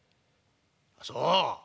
「そう。